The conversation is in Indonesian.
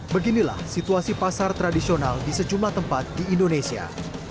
beginilah situasi pasar tradisional di sejumlah tempat di indonesia